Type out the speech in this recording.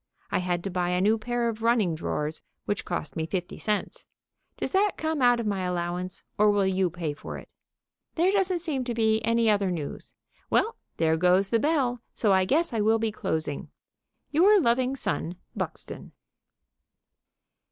I had to buy a new pair of running drawers, which cost me fifty cents. Does that come out of my allowance? Or will you pay for it? There doesn't seem to be any other news. Well, there goes the bell, so I guess I will be closing. Your loving son, BUXTON.